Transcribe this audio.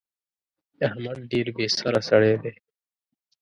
احمد ډېر بې سره سړی دی.